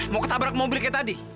mau ketabrak mobil kayak tadi